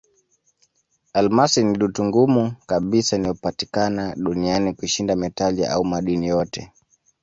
Almasi ni dutu ngumu kabisa inayopatikana duniani kushinda metali au madini yote.